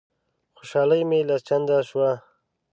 خوشالي مي لس چنده شوه.